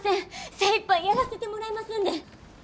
精いっぱいやらせてもらいますんで。